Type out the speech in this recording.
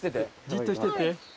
じっとしてて。